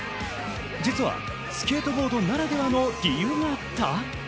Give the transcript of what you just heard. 実はスケートボードならではの理由があった。